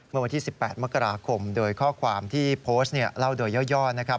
เมื่อวันที่๑๘มกราคมโดยข้อความที่โพสต์เนี่ยเล่าโดยย่อนะครับ